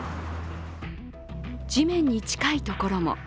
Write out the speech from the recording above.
地面に近いところも。